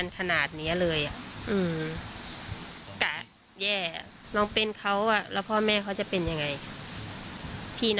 พี่น้องเขาจะเป็นยังไง